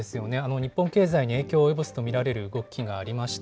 日本経済に影響を及ぼすと見られる動きがありました。